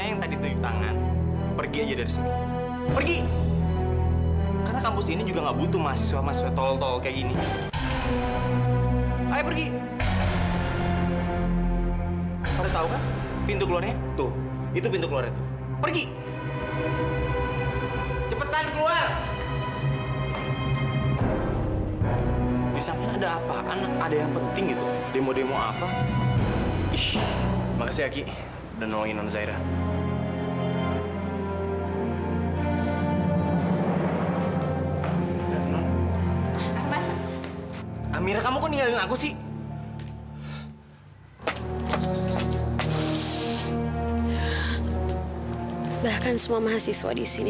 jadi baca mereka untuk nikmati mereka yang misschien